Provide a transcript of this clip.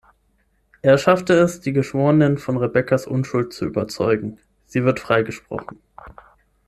Er schafft es, die Geschworenen von Rebeccas Unschuld zu überzeugen, sie wird freigesprochen.